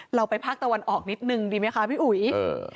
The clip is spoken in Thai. เราไปภาคตะวันออกนิดนึงดีไหมคะพี่อุ๋ยเออ